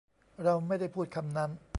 เราไม่ได้พูดคำนั้น